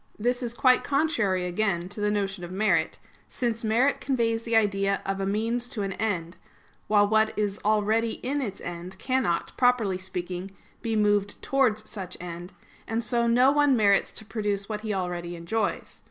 This is quite contrary, again, to the notion of merit: since merit conveys the idea of a means to an end; while what is already in its end cannot, properly speaking, be moved towards such end; and so no one merits to produce what he already enjoys.